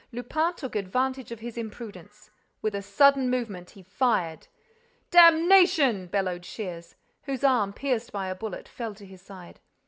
Lupin took advantage of his imprudence. With a sudden movement, he fired. "Damnation!" bellowed Shears, whose arm, pierced by a bullet, fell to his side.